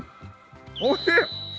おいしい！